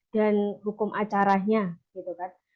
dan hukum acaranya gitu kan